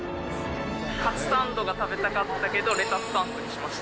カツサンドが食べたかったけど、レタスサンドにしました。